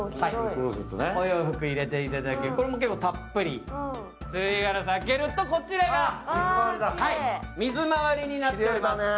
お洋服を入れていただいてコレも結構、たっぷり、すりガラス開けるとこちらが水回りになっております。